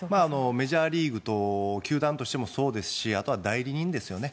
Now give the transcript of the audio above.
メジャーリーグと球団としてもそうですしあとは代理人ですよね。